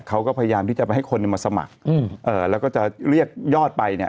เขาก็พยายามที่จะไปให้คนมาสมัครแล้วก็จะเรียกยอดไปเนี่ย